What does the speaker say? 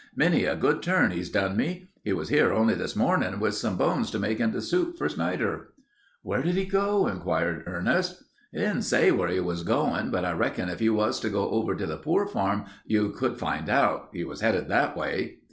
Many a good turn he's done me. He was here only this mornin' with some bones to make into soup for Snider." "Where did he go?" inquired Ernest. "He didn't say where he was goin', but I reckon if you was to go over to the Poor Farm you could find out. He was headed that way."